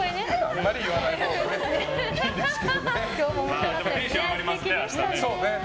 あんまり言わないほうがねいいですけどね。